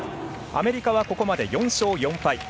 アメリカは、ここまで４勝４敗。